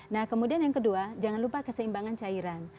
nah kemudian yang kedua jangan lupa keseimbangan cairan